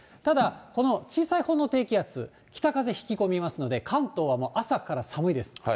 ただ、この小さいほうの低気圧、北風引き込みますので、関東は朝から寒いです。